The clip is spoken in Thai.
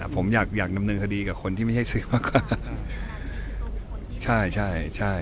ผมอยากดำเนินคดีกับคนที่ไม่ใช่สื่อมากกว่า